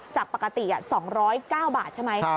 จากปกติ๒๐๙บาทใช่ไหม